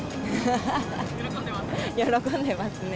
喜んでますね。